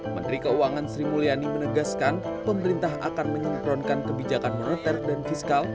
menteri keuangan sri mulyani menegaskan pemerintah akan menyengkronkan kebijakan moneter dan fiskal